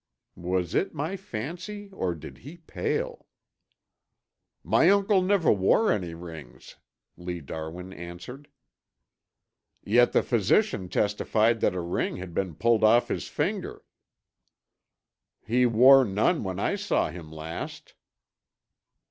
Was it my fancy, or did he pale? "My uncle never wore any rings," Lee Darwin answered. "Yet the physician testified that a ring had been pulled off his finger." "He wore none when I saw him last."